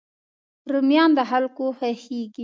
رومیان د خلکو خوښېږي